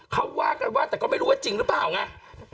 เขาว่ากันว่าแต่ก็ไม่รู้ว่าจริงหรือเปล่าไง